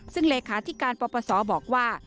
ซึ่งเลขาธิการปปศบอกว่า